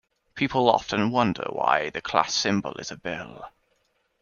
People often wonder why the class symbol is a bell.